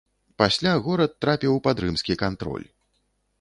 Пасля горад трапіў пад рымскі кантроль.